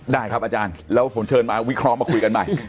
ได้ครับอาจารย์แล้วผมเชิญมาวิเคราะห์มาคุยกันใหม่